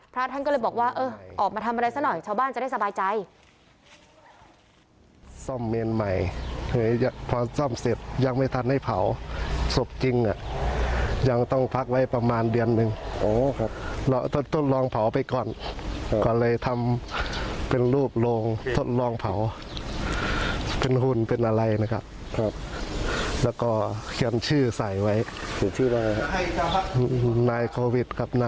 พระท่านก็เลยบอกว่าเออออกมาทำอะไรซะหน่อยชาวบ้านจะได้สบายใจ